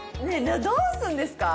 どうするんですか？